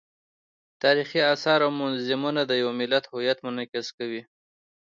تاریخي آثار او موزیمونه د یو ملت هویت منعکس کوي.